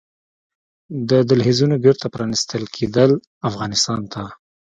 د دهلېزونو بېرته پرانيستل کیدل افغانستان ته